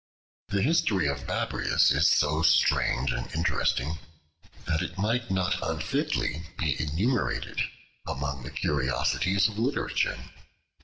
The history of Babrias is so strange and interesting, that it might not unfitly be enumerated among the curiosities of literature.